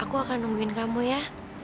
aku akan nungguin kamu ya